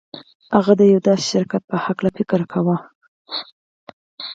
هغه د یوه داسې شرکت په هکله فکر کاوه